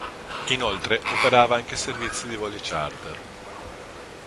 Inoltre operava anche servizi di voli charter.